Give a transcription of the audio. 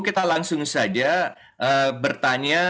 kita langsung saja bertanya